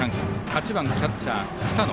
８番キャッチャーの草野。